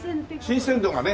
新鮮度がね。